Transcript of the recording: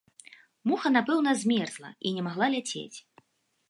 Муха, напэўна, змерзла і не магла ляцець.